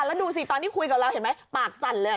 แล้วดูสิตอนที่คุยกับเราเห็นไหมปากสั่นเลย